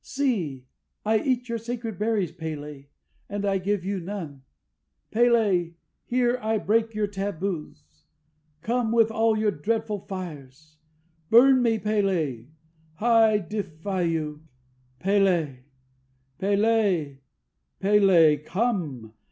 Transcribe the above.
See! I eat your sacred berries, P├®l├®, and I give you none! P├®l├®, here I break your tabus! Come, with all your dreadful fires! Burn me, P├®l├®! I defy you! P├®l├®! P├®l├®! P├®l├®! come!"